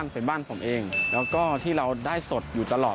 เป็นบ้านผมเองแล้วก็ที่เราได้สดอยู่ตลอด